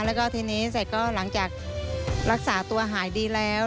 แล้วก็ทีนี้เสร็จก็หลังจากรักษาตัวหายดีแล้ว